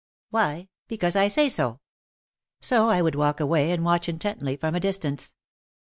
"Why? Because I say so!" So I would walk away and watch intently from a distance.